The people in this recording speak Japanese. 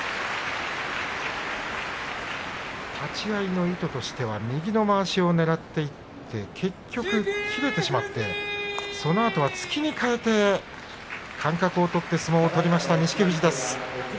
立ち合いの意図としては右のまわしをねらっていって結局、切れてしまってそのあとは突きに変えて間隔を取って相撲を取りました錦富士です。